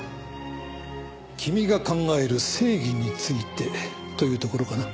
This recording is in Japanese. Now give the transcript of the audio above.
君が考える正義についてというところかな。